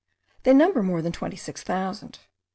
They number more than twenty six thousand.